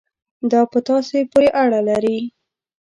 دا په تاسو پورې اړه لري.